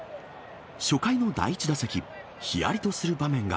初回の第１打席、ひやりとする場面が。